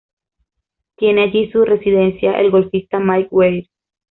Tiene allí su residencia el golfista Mike Weir.